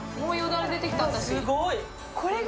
すごい。